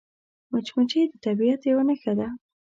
مچمچۍ د طبیعت یوه نښه ده